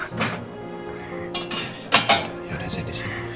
ya udah saya disini